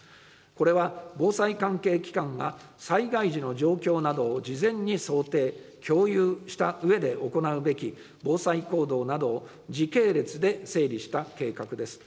これは、防災関係機関が災害時の状況などを事前に想定、共有したうえで行うべき防災行動などを、時系列で整理した計画です。